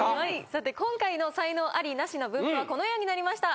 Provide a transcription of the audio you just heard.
さて今回の才能アリ・ナシの分布はこのようになりました。